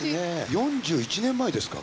４１年前ですか？